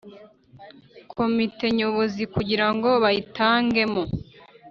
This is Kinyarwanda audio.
Komite nyobozi kugira ngo bayitangemo